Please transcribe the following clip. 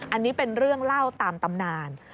อันนี้เป็นเรื่องเล่าตามตำนาน